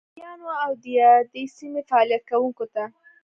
ښاریانو او دیادې سیمې فعالیت کوونکو ته